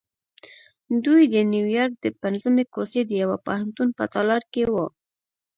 دوی د نیویارک د پنځمې کوڅې د یوه پوهنتون په تالار کې وو